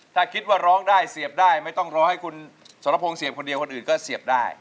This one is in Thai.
ถ้าคิดว่าร้องได้เสียบได้ไม่ต้องรอให้คุณสรพงศ์เสียบคนเดียวคนอื่นก็เสียบได้